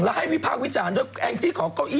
แล้วให้พี่พร้าววิจารณ์โดยแอ้งที่ของเก้าอี้